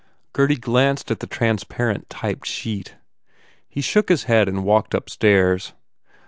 Gurdy glanced at the transparent typed sheet. He shook his head and walked up stairs.